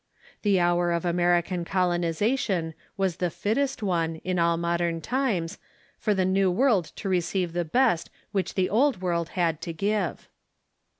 The hour of American colonization was the fittest one, in all modern times, for the New World to receive the best which the Old World had to give.